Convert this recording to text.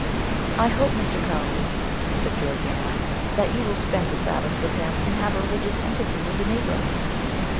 "I hope, Mr. Carlton," said Georgiana, "that you will spend the Sabbath with him, and have a religious interview with the Negroes."